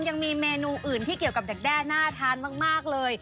ยังมีเมนูอื่นที่เกี่ยวกับดักแด้น่าทานมากเลย